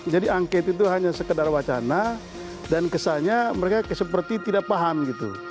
jadi angket itu hanya sekedar wacana dan kesannya mereka seperti tidak paham gitu